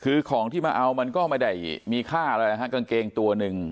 คือของที่มาเอามันก็ไม่ได้มีค่าอะไรนะฮะกางเกงตัวหนึ่ง